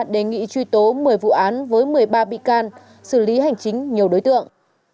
đề nghị truy tố một mươi vụ án với một mươi ba bị can xử lý hành chính nhiều đối tượng